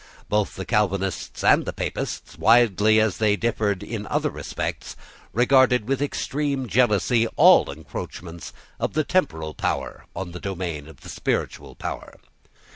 Both the Calvinists and the Papists, widely as they differed in other respects, regarded with extreme jealousy all encroachments of the temporal power on the domain of the spiritual power.